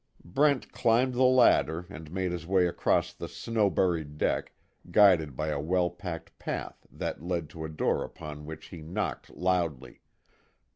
Brent climbed the ladder, and made his way across the snow buried deck, guided by a well packed path that led to a door upon which he knocked loudly.